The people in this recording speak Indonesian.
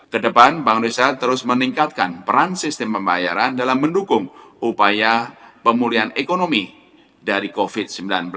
kedepan bank indonesia terus meningkatkan peran sistem pembayaran dalam mendukung upaya pemulihan ekonomi dari covid sembilan belas